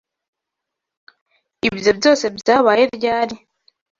Ibyo byose byabaye ryari?